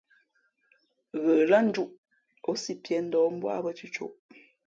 Ghə lά njūʼ, ǒ si piē ndαα mbú ā bᾱ cʉ̌côʼ.